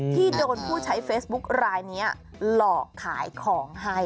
ที่โดนผู้ใช้เฟซบุ๊คลายนี้หลอกขายของให้